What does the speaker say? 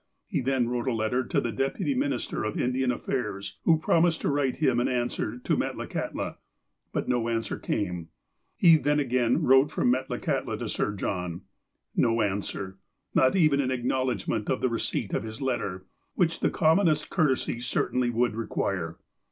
He then wrote a letter to the Dex)uty Minister of Indian Affairs, who promised to write him an answer to Metlakahtla. But no answer came. He then again wrote from Metla kahtla to Sir John. No answer. Not even an acknowl edgment of the receipt of his letter, which the common est courtesy certainly would require.